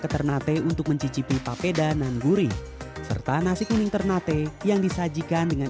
ke ternate untuk mencicipi papeda nan guri serta nasi kuning ternate yang disajikan dengan